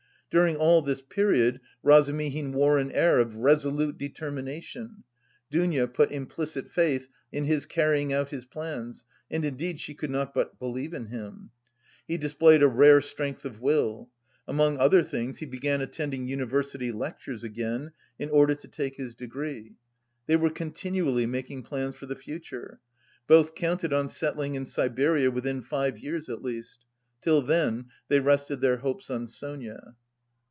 During all this period Razumihin wore an air of resolute determination. Dounia put implicit faith in his carrying out his plans and indeed she could not but believe in him. He displayed a rare strength of will. Among other things he began attending university lectures again in order to take his degree. They were continually making plans for the future; both counted on settling in Siberia within five years at least. Till then they rested their hopes on Sonia.